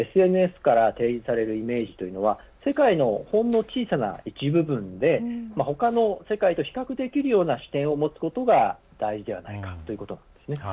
ＳＮＳから提示されるイメージというのは世界のほんの小さな一部分でほかの世界と比較できるような視点を持つことが大事ではないかということなんですね。